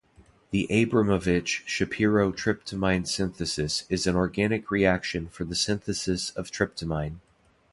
The Abramovitch-Shapiro tryptamine synthesis is an organic reaction for the synthesis of tryptamine.